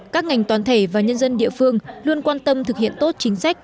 các ngành toàn thể và nhân dân địa phương luôn quan tâm thực hiện tốt chính sách